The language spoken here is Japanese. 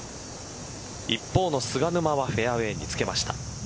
一方の菅沼はフェアウエーにつけました。